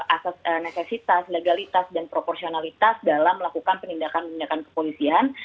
asas necesitas legalitas dan proporsionalitas dalam melakukan penindakan penindakan kepolisian